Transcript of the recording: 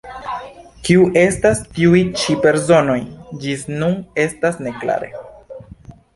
Kiu estas tiuj ĉi personoj, ĝis nun estas ne klare.